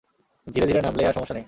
ধীরেধীরে নামলেই আর সমস্যা নেই।